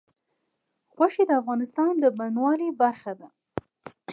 غوښې د افغانستان د بڼوالۍ برخه ده.